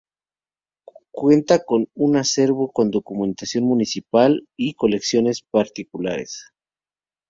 Cuenta en su acervo con documentación municipal oficial y colecciones particulares.